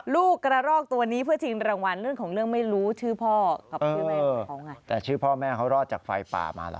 ลูกกระรอกตัวนี้เพื่อทิ้งรางวัลเรื่องของเรื่องไม่รู้ชื่อพ่อ